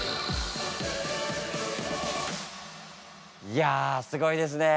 いやすごいですね。